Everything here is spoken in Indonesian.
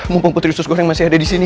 mumpung putri sus goyang masih ada di sini